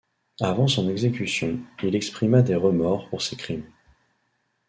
Avant son exécution, il exprima des remords pour ses crimes.